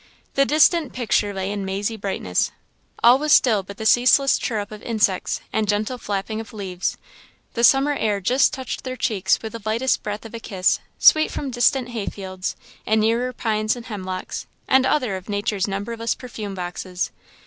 The distant picture lay in mazy brightness. All was still, but the ceaseless chirrup of insects, and gentle flapping of leaves; the summer air just touched their cheeks with the lightest breath of a kiss, sweet from distant hayfields, and nearer pines and hemlocks, and other of nature's numberless perfume boxes.